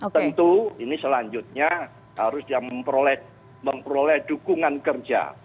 tentu ini selanjutnya harus memperoleh dukungan kerja